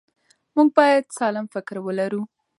موږ باید سالم فکر ولرو.